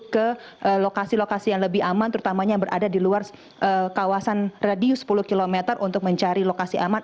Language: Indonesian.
ke lokasi lokasi yang lebih aman terutamanya yang berada di luar kawasan radius sepuluh km untuk mencari lokasi aman